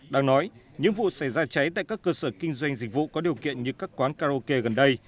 đang nói những vụ xảy ra cháy tại các cơ sở kinh doanh dịch vụ có điều kiện như các quán karaoke gần đây